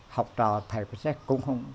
học trò thầy phật sếp cũng không